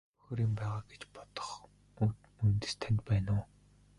Энд ямар нэг бохир юм байгаа гэж бодох үндэс танд байна уу?